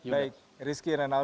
baik rizky dan enal